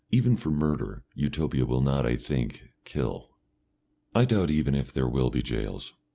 Even for murder Utopia will not, I think, kill. I doubt even if there will be jails.